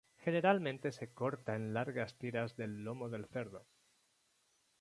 Generalmente se corta en largas tiras del lomo del cerdo.